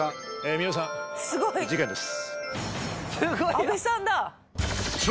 皆さん事件です。